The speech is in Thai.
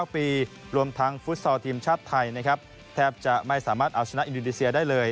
๙ปีรวมทั้งฟุตซอลทีมชาติไทยนะครับแทบจะไม่สามารถเอาชนะอินโดนีเซียได้เลย